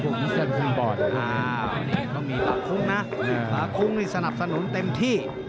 นี่ก็มีปากกุ้งนะปากกุ้งวินิสนับสนุนเต็มที่